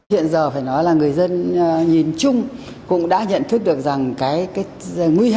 hiện giờ phải nói là người dân nhìn chung cũng đã nhận thức được rằng